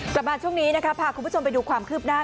กลับมาช่วงนี้นะคะพาคุณผู้ชมไปดูความคืบหน้า